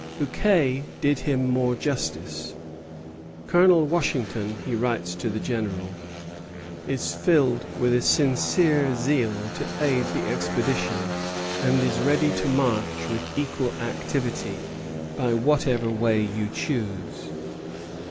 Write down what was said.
Bouquet did him more justice. "Colonel Washington," he writes to the General, "is filled with a sincere zeal to aid the expedition, and is ready to march with equal activity by whatever way you choose."